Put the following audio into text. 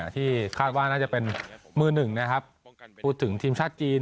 ที่คาดว่าน่าจะเป็นมือหนึ่งนะครับพูดถึงทีมชาติจีน